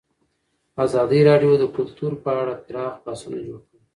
ازادي راډیو د کلتور په اړه پراخ بحثونه جوړ کړي.